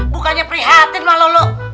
bukannya prihatin loh lo